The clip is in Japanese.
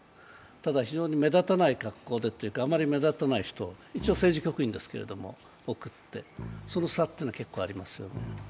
ただ非常に目立たない格好でというかあまり目立たない人を一応、政治局員ですけれども送ってその差というのは結構ありますよね。